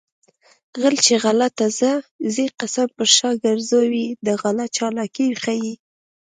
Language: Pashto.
غل چې غلا ته ځي قسم پر شا ګرځوي د غلو چالاکي ښيي